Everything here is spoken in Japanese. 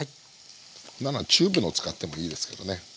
こんなのはチューブのを使ってもいいですけどね。